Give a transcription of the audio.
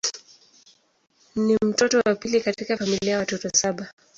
Ni mtoto wa pili katika familia ya watoto saba.